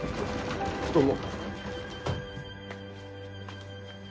どどうも。